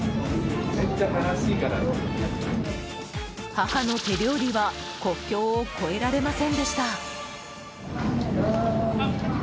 母の手料理は国境を越えられませんでした。